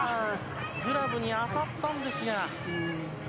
グラブに当たったんですが。